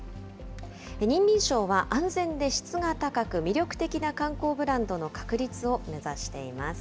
ニンビン省は、安全で質が高く魅力的な観光ブランドの確立を目指しています。